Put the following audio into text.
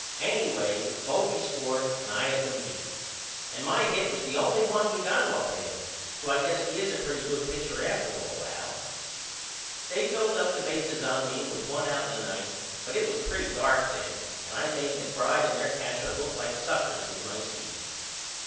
Anyway Bodie scored and I had them beat. And my hit was the only one we got off of him so I guess he is a pretty good pitcher after all Al. They filled up the bases on me with one out in the ninth but it was pretty dark then and I made McBride and their catcher look like suckers with my speed.